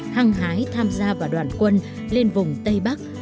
hăng hái tham gia vào đoàn quân lên vùng tây bắc